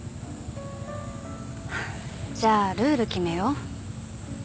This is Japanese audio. じゃあルール決めよう。